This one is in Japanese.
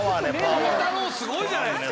均太郎すごいじゃないですか！